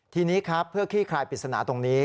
ทีนี้ครับเพื่อขี้คลายปริศนาตรงนี้